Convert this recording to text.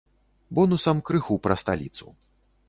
Бонусам крыху пра сталіцу.